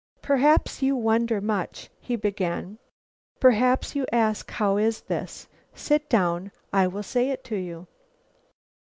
"Perhaps you wonder much?" he began. "Perhaps you ask how is this? Sit down. I will say it to you."